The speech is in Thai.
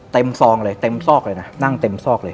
ซองเลยเต็มซอกเลยนะนั่งเต็มซอกเลย